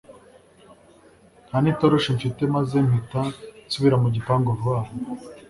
ntanitoroshi mfite maze mpita nsubira mu gipangu vuba vuba